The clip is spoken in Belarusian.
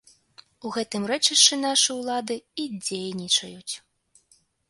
У гэтым рэчышчы нашы ўлады і дзейнічаюць.